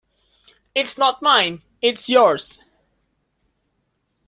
It's not mine; it's yours.